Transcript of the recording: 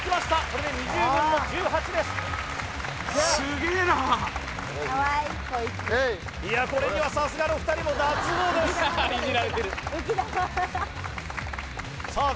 これにはさすがの２人も脱帽ですさあ